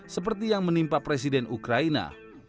seperti yang menimpa presiden ukraina